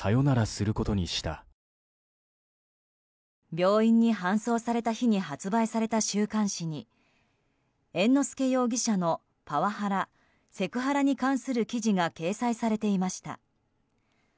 病院に搬送された日に発売された週刊誌に猿之助容疑者のパワハラセクハラに関する記事が掲載されていました。